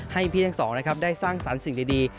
ให้พี่ทั้งสองนะครับได้สร้างสรรค์สิ่งดี